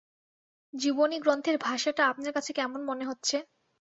জীবনী গ্রন্থের ভাষাটা আপনার কাছে কেমন মনে হচ্ছে?